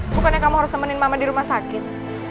bukannya kamu harus temenin mama di rumah sakit